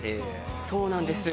そうなんですよ。